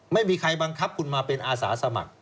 ไม่มีใครบังคับคุณมาเป็นอาสาสมัคร